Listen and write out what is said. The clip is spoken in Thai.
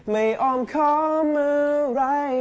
ไม่อ้อมขอมือไหร่